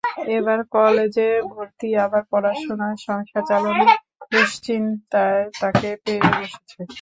এবার কলেজে ভর্তি, আবার পড়ালেখা, সংসার চালানোর দুশ্চিন্তায় তাকে পেয়ে বসেছে।